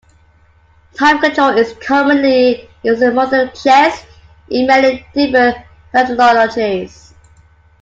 Time control is commonly used in modern chess in many different methodologies.